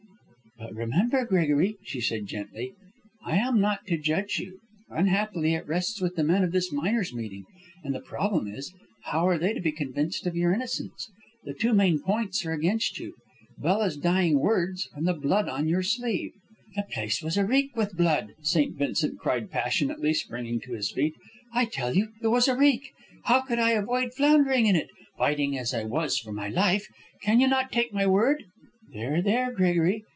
"But remember, Gregory," she said, gently, "I am not to judge you. Unhappily, it rests with the men of this miners' meeting, and the problem is: how are they to be convinced of your innocence? The two main points are against you, Bella's dying words and the blood on your sleeve." "The place was areek with blood," St. Vincent cried passionately, springing to his feet. "I tell you it was areek! How could I avoid floundering in it, fighting as I was for life? Can you not take my word " "There, there, Gregory.